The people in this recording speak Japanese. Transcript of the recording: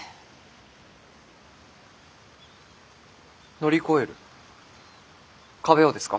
乗り越える壁をですか？